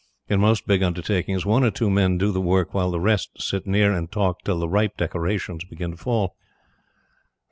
In most big undertakings, one or two men do the work while the rest sit near and talk till the ripe decorations begin to fall.